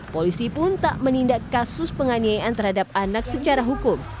polisi pun tak menindak kasus penganiayaan terhadap anak secara hukum